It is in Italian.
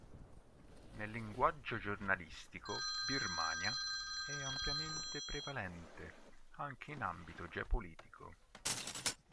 Nel linguaggio giornalistico "Birmania" è ampiamente prevalente, anche in ambito geopolitico.